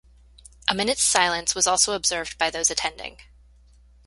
A minute's silence was also observed by those attending.